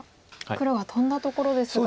黒がトンだところですが。